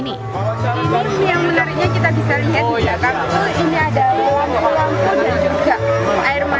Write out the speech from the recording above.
ini yang menariknya kita bisa lihat di dekat